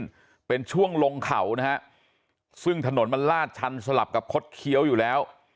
มันเป็นช่วงลงเขานะฮะซึ่งถนนมันลาดชันสลับกับคดเคี้ยวอยู่แล้ว